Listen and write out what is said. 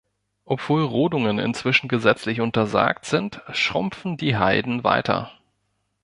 Obwohl Rodungen inzwischen gesetzlich untersagt sind, schrumpfen die Heiden weiter.